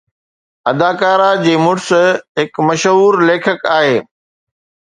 اداکارہ جي مڙس هڪ مشهور ليکڪ آهي